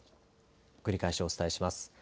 繰り返しお伝えします。